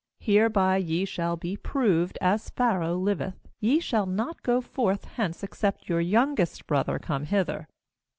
"Hereby ye shall be proved: as Pharaoh liveth, ye shall not go forth hence, except your youngest brother come hither.